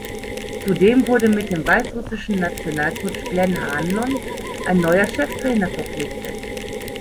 Zudem wurde mit dem weißrussischen Nationalcoach Glen Hanlon ein neuer Cheftrainer verpflichtet.